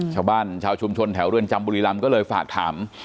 ชาวบ้านชาวชุมชนแถวเรือนจำบุรีรำก็เลยฝากถาม